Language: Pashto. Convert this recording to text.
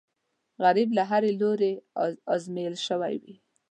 غریب له هرې لورې ازمېیل شوی وي